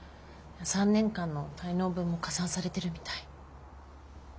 ３年間の滞納分も加算されてるみたい。